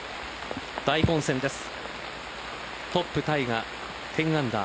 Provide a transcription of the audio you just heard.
大混戦です。